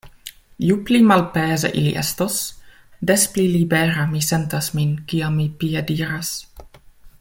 Ju pli malpeze ili estos, des pli libera mi sentas min, kiam mi piediras.